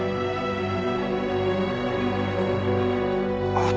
あっ。